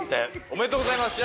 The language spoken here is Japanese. おめでとうございます。